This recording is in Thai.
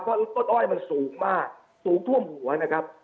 เพราะต้นอ้อยมันสูงมากสูงท่วมหัวนะครับ